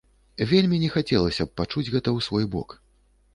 Вельмі не хацелася б пачуць гэта ў свой бок.